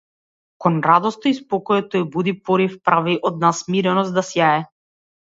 Кон радоста и спокојот тој буди порив, прави од нас смиреност да сјае.